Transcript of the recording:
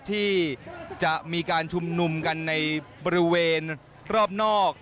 ที่จะมีการชุมนุมกันในบริเวณรอบนอก